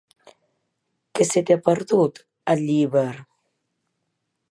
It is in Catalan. Què se t'hi ha perdut, a Llíber?